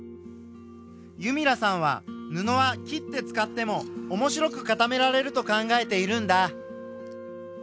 弓良さんは布は切って使っても面白く固められると考えているんだ。